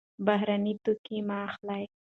بهرني توکي مه اخلئ.